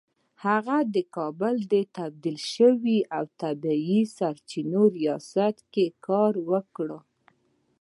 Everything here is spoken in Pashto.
هغه کابل ته تبدیل شو او په طبیعي سرچینو ریاست کې يې کار وکړ